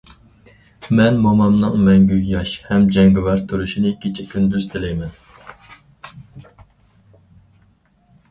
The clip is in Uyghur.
مەن مومامنىڭ مەڭگۈ ياش ھەم جەڭگىۋار تۇرۇشىنى كېچە- كۈندۈز تىلەيمەن!